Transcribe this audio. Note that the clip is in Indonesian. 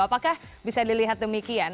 apakah bisa dilihat demikian